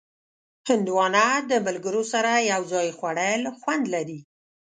هندوانه د ملګرو سره یو ځای خوړل خوند لري.